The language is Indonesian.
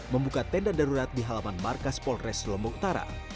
membuka tenda darurat di halaman markas polres lombok utara